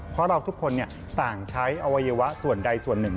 เพราะเราทุกคนต่างใช้อวัยวะส่วนใดส่วนหนึ่ง